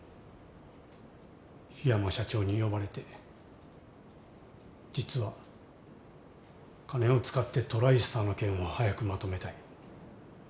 檜山社長に呼ばれて「実は金を使ってトライスターの件を早くまとめたい。